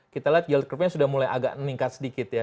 kita lihat yield groupnya sudah mulai agak meningkat sedikit ya